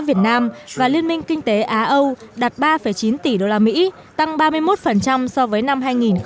việt nam và liên minh kinh tế á âu đạt ba chín tỷ đô la mỹ tăng ba mươi một so với năm hai nghìn một mươi sáu